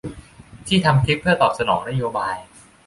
ที่ทำคลิปเพื่อตอบสนองนโยบาย